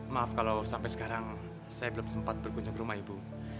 maaf kalau sampai sekarang saya belum sempat berkunjung ke rumah ibu